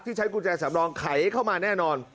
ที่ใช้กุญแจสำนองขายเข้ามาแน่นอน